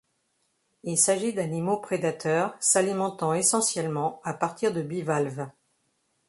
Il s'agit d'animaux prédateurs, s'alimentant essentiellement à partir de bivalves.